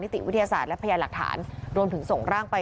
ติวิทยาศาสตร์และพยานหลักฐานรวมถึงส่งร่างไป